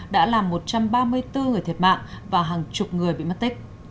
đã làm một trăm ba mươi bốn người thiệt mạng và hàng chục người bị mất tích